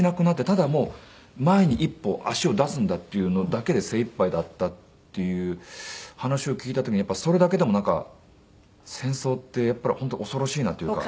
ただ前に一歩足を出すんだっていうのだけで精いっぱいだったっていう話を聞いた時にそれだけでも戦争って本当恐ろしいなというか。